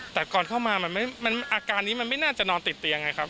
แต่ก่อนเข้ามามันอาการนี้มันไม่น่าจะนอนติดเตียงไงครับ